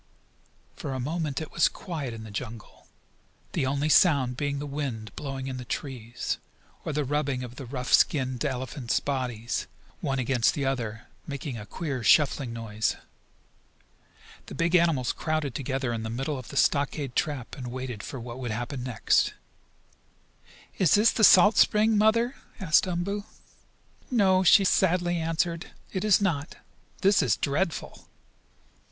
For a moment it was quiet in the jungle, the only sound being the wind blowing in the trees, or the rubbing of the rough skinned elephants' bodies, one against the other, making a queer, shuffling noise. The big animals crowded together in the middle of the stockade trap, and waited for what would happen next. "Is this the salt spring, Mother?" asked Umboo. "No," she sadly answered. "It is not. This is dreadful!"